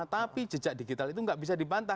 tapi jejak digital itu nggak bisa dibantah